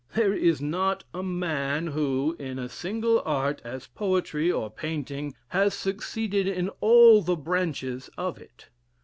There is not a man who, in a single art, as poetry, or painting, has succeeded in all the branches of it.